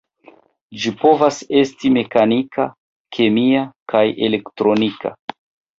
Ĝi povas esti mekanika, kemia kaj elektronika.